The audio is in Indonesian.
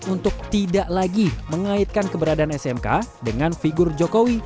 untuk tidak lagi mengaitkan keberadaan smk dengan figur jokowi